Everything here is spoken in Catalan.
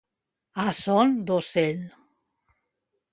A son d'ocell.